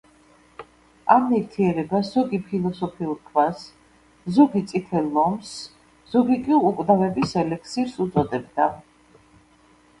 ამ ნივთიერებას ზოგი „ფილოსოფიურ ქვას“, ზოგი „წითელ ლომს“, ზოგი კი „უკვდავების ელექსირს“ უწოდებდა.